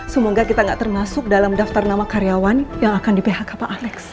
semoga kita gak termasuk dalam daftar nama karyawan yang akan di phk pak alex